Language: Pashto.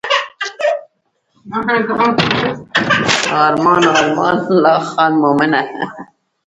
ارمان ارمان لا خان مومنه.